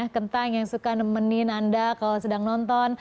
kentang yang suka nemenin anda kalau sedang nonton